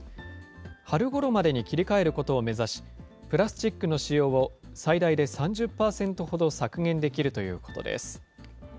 春ごろまでに切り替えることを目指し、プラスチックの使用を最大で３０％ほど削減できるということです。